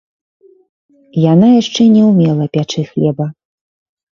Яна яшчэ не ўмела пячы хлеба.